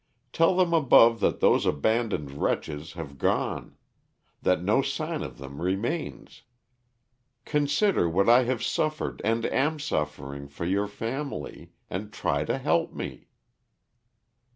Tell them above that those abandoned wretches have gone, that no sign of them remains. Consider what I have suffered and am suffering for your family, and try to help me."